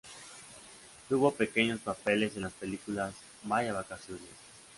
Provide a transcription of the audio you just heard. Tuvo pequeños papeles en las películas "¡Vaya vacaciones!